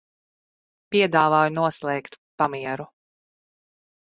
Piedāvāju noslēgt pamieru.